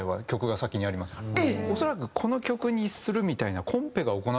恐らく「この曲にする」みたいな。